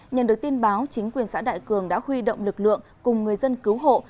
nhận được tin báo chính quyền xã đại cường đã huy động lực lượng cùng người dân cứu hộ